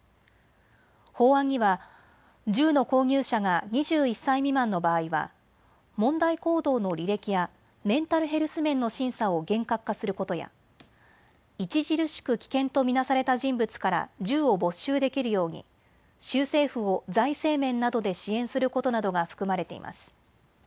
法案には銃の購入者が２１歳未満の場合は問題行動の履歴やメンタルヘルス面の審査を厳格化することや、著しく危険と見なされた人物から銃を没収できるように州政府を財政面などで支援することなどが含まれています。